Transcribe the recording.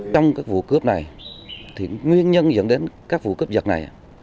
trong các vụ cướp này thì nguyên nhân dẫn đến các vụ cướp giật này